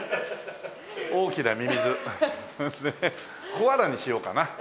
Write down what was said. コアラにしようかな？